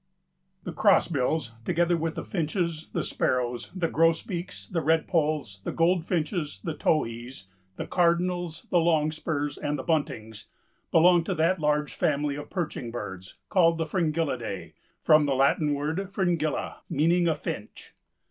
_) The Crossbills, together with the finches, the sparrows, the grosbeaks, the redpolls, the goldfinches, the towhees, the cardinals, the longspurs, and the buntings, belong to that large family of perching birds called the Fringillidae, from the Latin word Fringilla, meaning a finch.